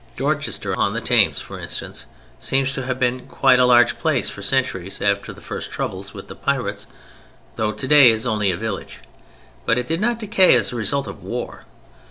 Dorchester on the Thames, for instance, seems to have been quite a large place for centuries after the first troubles with the pirates, though today it is only a village; but it did not decay as the result of war.